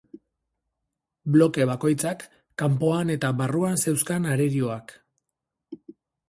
Bloke bakoitzak kanpoan eta barruan zeuzkan arerioak.